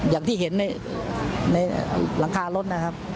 อย่างที่เห็นในหลังคารถนะครับ